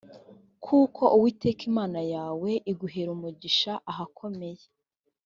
kuko uwiteka imana yawe iguhera umugisha ahakomeye